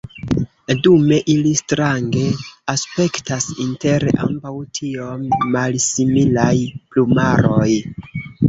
Dume ili strange aspektas inter ambaŭ tiom malsimilaj plumaroj.